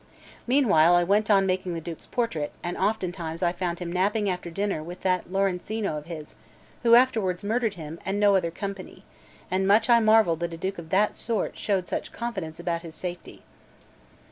Meanwhile, I went on making the Duke's portrait; and oftentimes I found him napping after dinner with that Lorenzino of his, who afterwards murdered him, and no other company; and much I marvelled that a Duke of that sort showed such confidence about his safety.